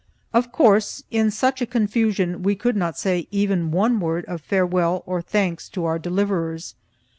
Of course, in such a confusion we could not say even one word of farewell or thanks to our deliverers.